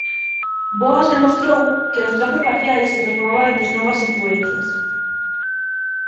Boas demostrou que os trazos raciais se transformaban ante novas influencias.